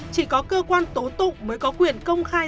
chỉ có cơ quan tố tụng mới có quyền công khai